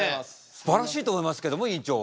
すばらしいと思いますけども院長は。